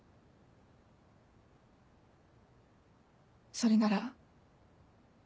それなら。